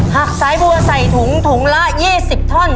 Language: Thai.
สายบัวใส่ถุงถุงละ๒๐ท่อน